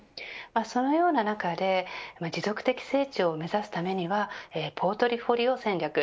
そのような中で持続的成長を目指すためにはポートフォリオ戦略